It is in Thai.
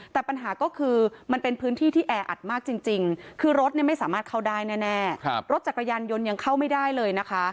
แต่ปัญหาก็คือมันเป็นพื้นที่ที่แออัดมากจริงคือรถเนี่ยไม่สามารถเข้าได้แน่รถจักรยานยนต์ยังเข้าไม่ได้เลยนะคะ